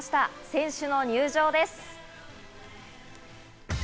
選手の入場です。